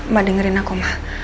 ma dengerin aku ma